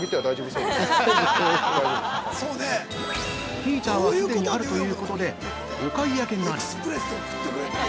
◆ヒーターは既にあるということでお買い上げならず。